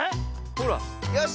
ほら。よし！